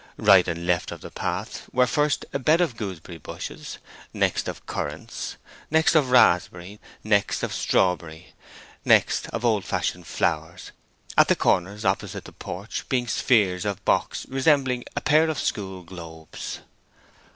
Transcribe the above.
Right and left of the path were first a bed of gooseberry bushes; next of currant; next of raspberry; next of strawberry; next of old fashioned flowers; at the corners opposite the porch being spheres of box resembling a pair of school globes.